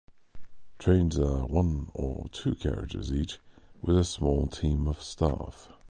Trains are one or two carriages each, with a small team of staff.